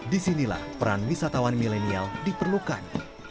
disinilah peran wisatawan milenial diperlukan